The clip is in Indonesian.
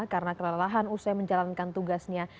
karena kelelahan usai menjalankan tugasnya